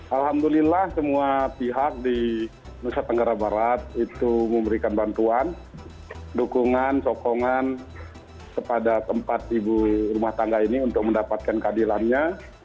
alhamdulillah semua pihak di nusa tenggara barat itu memberikan bantuan dukungan sokongan kepada tempat ibu rumah tangga ini untuk mendapatkan keadilannya